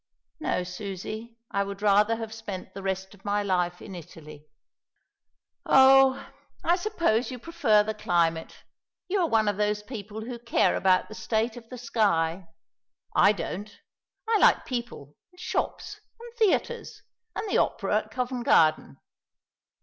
"No, Susie. I would rather have spent the rest of my life in Italy." "Oh, I suppose you prefer the climate. You are one of those people who care about the state of the sky. I don't. I like people, and shops, and theatres, and the opera at Covent Garden.